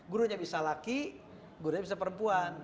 gurunya bisa laki gurunya bisa perempuan